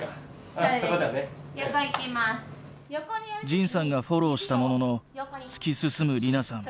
仁さんがフォローしたものの突き進む莉菜さん。